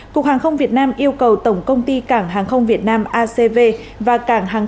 cục hàng không việt nam yêu cầu tổng công ty cảng hàng không việt nam acv và cảng hàng